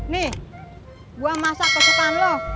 nih gua masak kesukaan lo